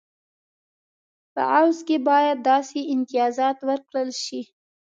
په عوض کې باید داسې امتیازات ورکړل شي.